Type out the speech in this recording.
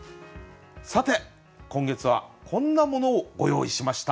さて今月はこんなものをご用意しました。